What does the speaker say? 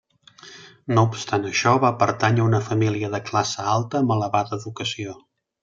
No obstant això, va pertànyer a una família de classe alta, amb elevada educació.